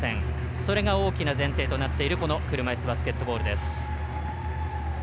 それが大きな前提となっている車いすバスケットボールです。